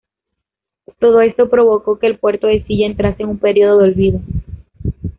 Todo esto provocó que el Puerto de Silla entrase en un periodo de olvido.